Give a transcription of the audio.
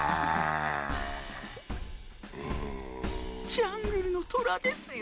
ジャングルのトラですよ。